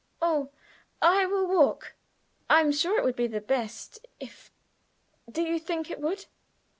"Oh, I will walk. I am sure it would be the best if do you think it would?"